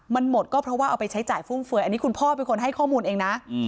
มันหมดก็เพราะว่าเอาไปใช้จ่ายฟุ่มเฟือยอันนี้คุณพ่อเป็นคนให้ข้อมูลเองนะ